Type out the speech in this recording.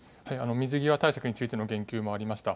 水際対策についての言及もありました。